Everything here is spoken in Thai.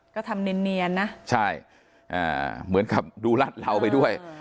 ก็ทำเนียนนะใช่เหมือนกับดูรัดเราไปด้วย